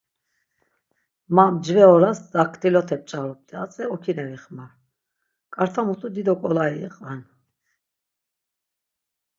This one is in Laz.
Ma mcve oras daǩt̆ilote p̌ç̌arupt̆i, atzi okine vixmar, ǩarta mutu dido ǩolai iqven.